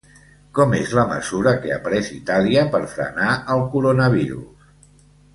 Com és la mesura que ha pres Itàlia per frenar el coronavirus?